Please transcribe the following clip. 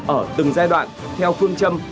ở từng giai đoạn theo phương châm